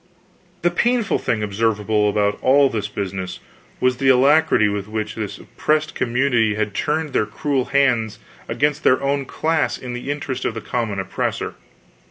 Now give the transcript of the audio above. The painful thing observable about all this business was the alacrity with which this oppressed community had turned their cruel hands against their own class in the interest of the common oppressor.